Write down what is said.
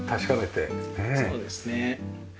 そうですね。